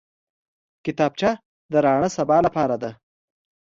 کتابچه د راڼه سبا لاره ده